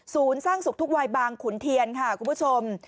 สร้างสุขทุกวัยบางขุนเทียนค่ะคุณผู้ชม